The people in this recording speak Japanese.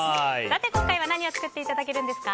今回は何を作っていただけるんですか？